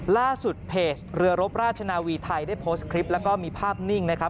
ล่าสุดเพจเรือรบราชนาวีไทยได้โพสต์คลิปแล้วก็มีภาพนิ่งนะครับ